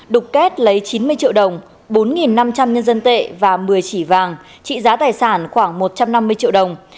đục kết lấy chín mươi triệu đồng bốn năm trăm linh nhân dân tệ và một mươi chỉ vàng trị giá tài sản khoảng một trăm năm mươi triệu đồng